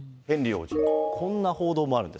こんな報道もあるんです。